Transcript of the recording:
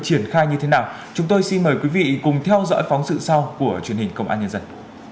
triển khai như thế nào chúng tôi xin mời quý vị cùng theo dõi phóng sự sau của truyền hình công an nhân dân